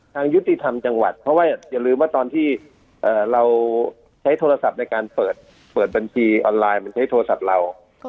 ยุติธรรมจังหวัดเพราะว่าอย่าลืมว่าตอนที่เราใช้โทรศัพท์ในการเปิดบัญชีออนไลน์มันใช้โทรศัพท์เรา